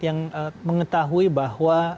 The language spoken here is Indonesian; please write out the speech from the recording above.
yang mengetahui bahwa